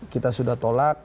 kita sudah tolak